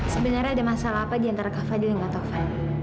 sebenarnya ada masalah apa diantara kava dil yang gak tau kava